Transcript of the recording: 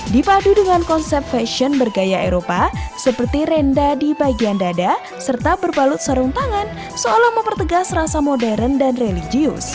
dipadu dengan konsep fashion bergaya eropa seperti renda di bagian dada serta berbalut sarung tangan seolah mempertegas rasa modern dan religius